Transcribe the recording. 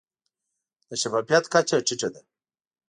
د شفافیت کچه ټیټه ده.